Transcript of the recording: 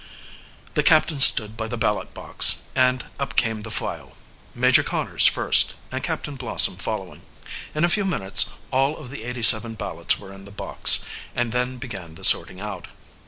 The captain stood by the ballot box, and up came the file, Major Conners first and Captain Blossom following. In a few minutes all of the eighty seven ballots were in the box, and then began the sorting out.